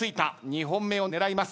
２本目を狙います。